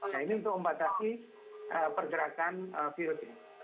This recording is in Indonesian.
nah ini untuk membatasi pergerakan virus ini